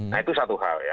nah itu satu hal ya